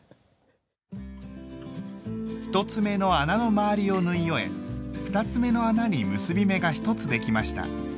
１つ目の穴の周りを縫い終え２つ目の穴に結び目が一つできました。